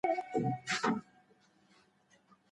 آیا په يثرب کي ښځو ته درناوی کېدی؟